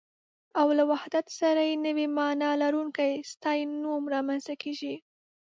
او له وحدت سره يې نوې مانا لرونکی ستاينوم رامنځته کېږي